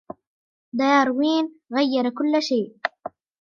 داروين غيرَ كل شيء.